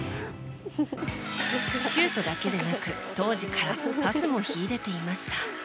シュートだけでなく当時からパスも秀でていました。